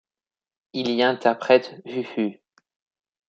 Il y interprète Uh-Huh.